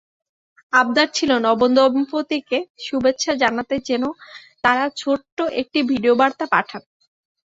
আবদার ছিল, নবদম্পতিকে শুভেচ্ছা জানাতে যেন তারা ছোট্ট একটা ভিডিওবার্তা পাঠান।